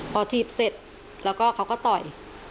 พอถีบเสร็จแล้วก็เขาก็ต่อย